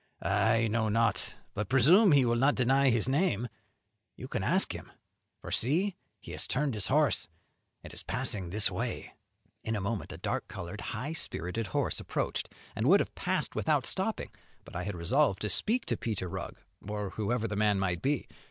"I know not, but presume he will not deny his name; you can ask him, for see, he has turned his horse and is passing this way." In a moment a dark coloured, high spirited horse approached, and would have passed without stopping, but I had resolved to speak to Peter Rugg, or whoever the man might be.